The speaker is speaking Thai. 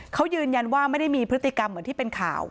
เขายืนยันว่าไม่ได้มีพฤติกรรมเหมือนที่เป็นข่าว